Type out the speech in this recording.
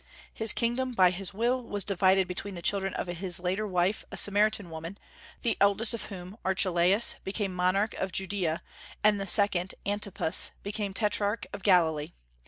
His kingdom, by his will, was divided between the children of his later wife, a Samaritan woman, the eldest of whom, Archelaus, became monarch of Judea; and the second, Antipas, became tetrarch of Galilee.